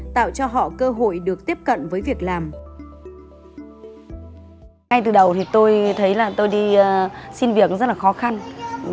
tạo cho họ cơ hội được tiếp cận với việc làm